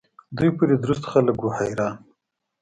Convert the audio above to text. دوی پوري درست خلق وو حیران.